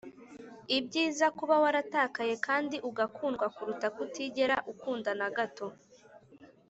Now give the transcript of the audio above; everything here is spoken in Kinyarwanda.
“ibyiza kuba waratakaye kandi ugakundwa kuruta kutigera ukunda na gato.”